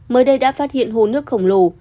mới đây đã phát hiện hồ nước khổng lồ